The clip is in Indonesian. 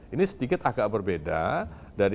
ini sedikit agak berbeda dari